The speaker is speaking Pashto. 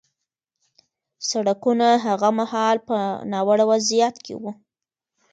سړکونه هغه مهال په ناوړه وضعیت کې وو